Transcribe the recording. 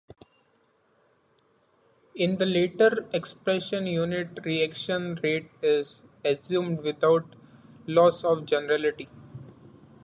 In the later expression unit reaction rate is assumed without loss of generality.